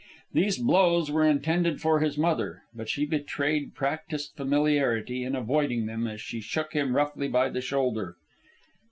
These blows were intended for his mother, but she betrayed practised familiarity in avoiding them as she shook him roughly by the shoulder.